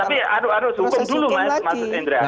tapi aduh aduh hukum dulu mas indra